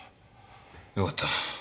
よかった。